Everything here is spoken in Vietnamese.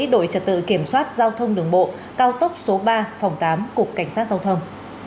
đội trật tự kiểm soát giao thông đường bộ cao tốc số ba phòng tám cục cảnh sát giao thông